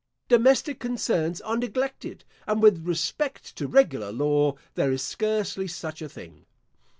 Domestic concerns are neglected; and with respect to regular law, there is scarcely such a thing.